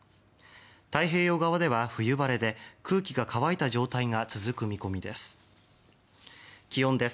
太平洋側では冬晴れで空気が乾いた状態が続く見込みです。